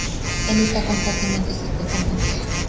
Él está constantemente en sus pensamientos.